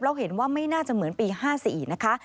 เห็นว่าไม่น่าจะเหมือนปี๕๔นะคะ